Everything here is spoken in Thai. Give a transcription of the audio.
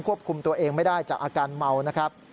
คุมตัวเองไม่ได้จากอาการเมานะครับ